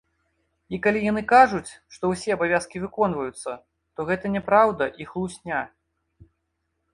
І калі яны кажуць, што ўсе абавязкі выконваюцца, то гэта няпраўда і хлусня.